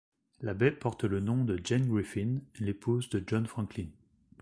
La baie porte le nom de Jane Griffin, l'épouse de John Franklin.